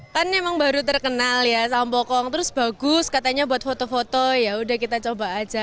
kan emang baru terkenal ya sampokong terus bagus katanya buat foto foto yaudah kita coba aja